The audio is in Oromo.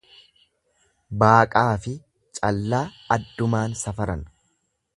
Baaqaafi callaa addumaan safaran.